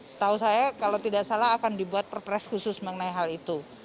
setahu saya kalau tidak salah akan dibuat perpres khusus mengenai hal itu